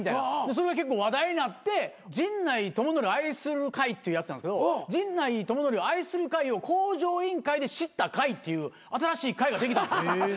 それが結構話題になって陣内智則を愛する会っていうやつなんですけど陣内智則を愛する会を『向上委員会』で知った会っていう新しい会ができたんすよ。